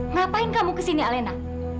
ngapain kamu kesini alena